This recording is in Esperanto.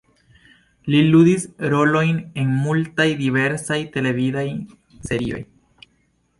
Li ludis rolojn en multaj diversaj televidaj serioj.